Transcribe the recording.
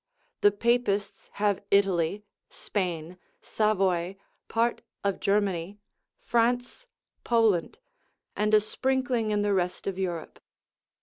The papists have Italy, Spain, Savoy, part of Germany, France, Poland, and a sprinkling in the rest of Europe.